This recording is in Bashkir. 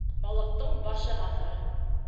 Балыҡтың башы һаҫыр